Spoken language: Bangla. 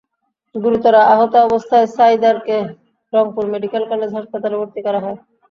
গুরুতর আহত অবস্থায় সাইদারকে রংপুর মেডিকেল কলেজ হাসপাতালে ভর্তি করা হয়।